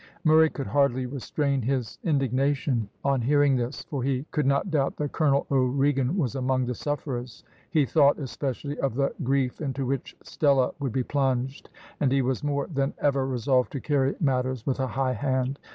Murray could hardly restrain his indignation on hearing this, for he could not doubt that Colonel O'Regan was among the sufferers; he thought, especially, of the grief into which Stella would be plunged, and he was more than ever resolved to carry matters with a high hand.